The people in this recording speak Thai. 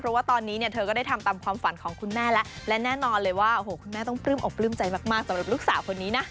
เพราะว่าตอนนี้เนี่ยเธอก็ได้ทำตามความฝันของคุณแม่แล้วและแน่นอนเลยว่าโอ้โหคุณแม่ต้องปลื้มอกปลื้มใจมากสำหรับลูกสาวคนนี้นะ